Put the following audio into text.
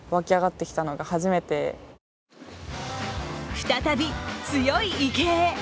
再び強い池江へ。